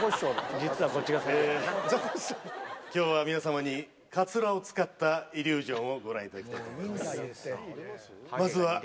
きょうは皆様に、かつらを使ったイリュージョンをご覧いただきたいと思います。